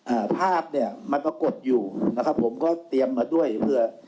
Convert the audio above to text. อ่าภาพเนี้ยมันปรากฏอยู่นะครับผมก็เตรียมมาด้วยเผื่อ